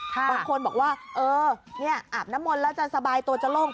บางคนบอกว่าเออเนี่ยอาบน้ำมนต์แล้วจะสบายตัวจะโล่ง